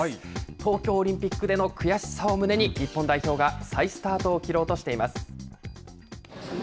東京オリンピックでの悔しさを胸に、日本代表が再スタートを切ろうとしています。